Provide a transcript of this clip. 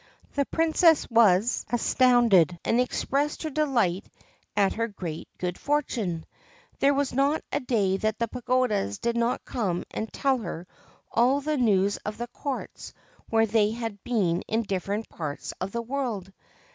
The Princess was astounded, and expressed her delight at her great good fortune. There was not a day that the pagodas did not come and tell her all the news of the courts where they had been in different parts of the world.